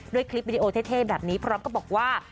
คลิปวิดีโอเท่แบบนี้พร้อมกับบอกว่า